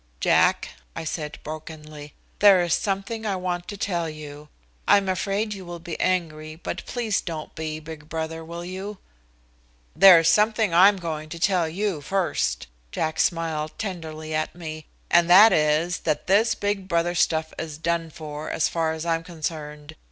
"Jack," I said brokenly, "there is something I want to tell you I'm afraid you will be angry, but please don't be, big brother, will you?" "There is something I'm going to tell you first," Jack smiled tenderly at me, "and that is that this big brother stuff is done for, as far as I'm concerned.